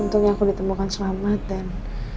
untungnya aku ditemukan selamat dan